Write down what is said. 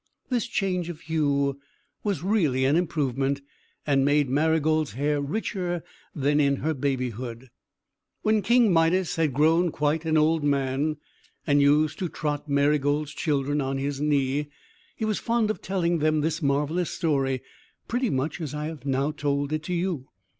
This change of hue was really an improvement, and made Marygold's hair richer than in her babyhood. When King Midas had grown quite an old man, and used to trot Marygold's children on his knee, he was fond of telling them this marvellous story, pretty much as I have now told it to you.